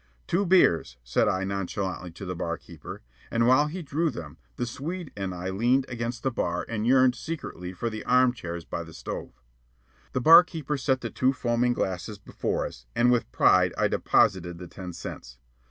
"Two beers," said I nonchalantly to the barkeeper, and while he drew them, the Swede and I leaned against the bar and yearned secretly for the arm chairs by the stove. The barkeeper set the two foaming glasses before us, and with pride I deposited the ten cents.